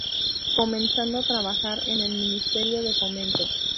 Comenzando a trabajar en el ministerio de Fomento.